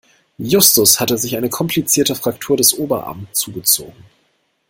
Justus hatte sich eine komplizierte Fraktur des Oberarm zugezogen.